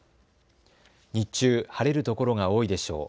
日中、晴れる所が多いでしょう。